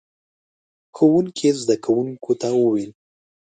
ښوونکي زده کوونکو ته وويل: